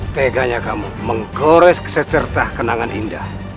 teganya kamu menggores secerta kenangan indah